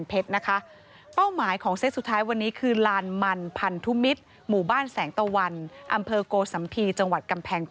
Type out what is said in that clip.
เซตแรกเนี่ยก็ออกแต่เช้า